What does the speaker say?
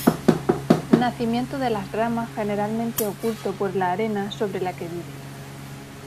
Nacimiento de las ramas generalmente oculto por la arena sobre la que vive.